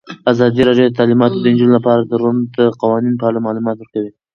ازادي راډیو د تعلیمات د نجونو لپاره د اړونده قوانینو په اړه معلومات ورکړي.